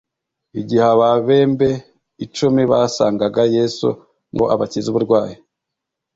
igihe ababembe icumi basangaga yesu ngo abakize uburwayi,